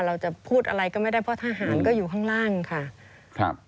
เราจะพูดอะไรก็ไม่ได้เพราะทหารก็อยู่ข้างล่างค่ะครับ